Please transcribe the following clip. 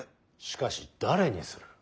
しかし誰にする。